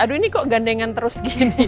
aduh ini kok gandengan terus gini